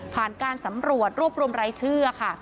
การสำรวจรวบรวมรายชื่อค่ะ